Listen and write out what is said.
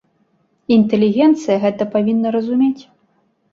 Інтэлігенцыя гэта павінна разумець.